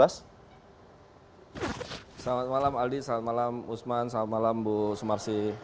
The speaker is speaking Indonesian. selamat malam aldi selamat malam usman selamat malam bu sumarsi